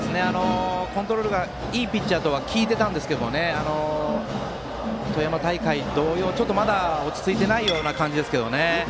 コントロールがいいピッチャーとは聞いてたんですが富山大会同様ちょっとまだ落ち着いていない感じですね。